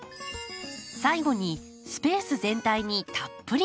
最後にスペース全体にたっぷり水やり。